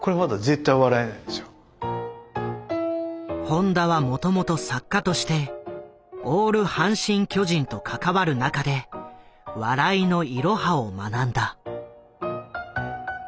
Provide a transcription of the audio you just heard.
本多はもともと作家としてオール阪神・巨人と関わる中で笑いのイロハを学んだ。